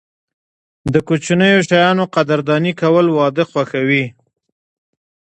د کوچنیو شیانو قدرداني کول، واده خوښوي.